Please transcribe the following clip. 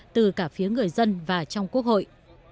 từ cả phía người dân và trong quốc hội